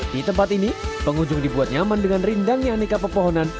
di tempat ini pengunjung dibuat nyaman dengan rindangnya aneka pepohonan